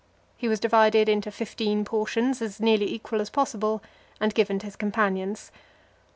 He was divided into fifteen portions, as nearly equal as possible, and given to his companions.